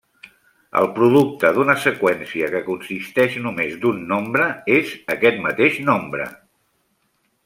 El producte d'una seqüència que consisteix només d'un nombre és aquest mateix nombre.